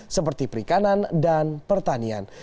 seperti perikanan dan pertanian